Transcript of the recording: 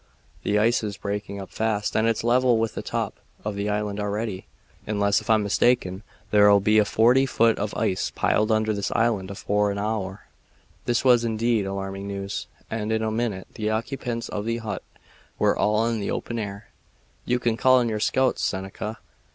The ice is breaking up fast and it's level with the top of the island already. Unless I'm mistaken there'll be forty foot of ice piled over this island afore an hour." This was, indeed, alarming news. And in a minute the occupants of the hut were all in the open air. "You can call in your scouts, Seneca.